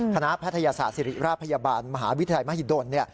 แพทยศาสตร์ศิริราชพยาบาลมหาวิทยาลัยมหิดล